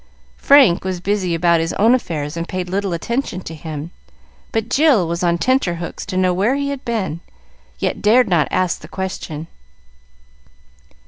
Frank was busy about his own affairs and paid little attention to him, but Jill was on tenter hooks to know where he had been, yet dared not ask the question.